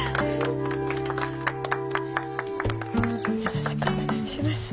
よろしくお願いします。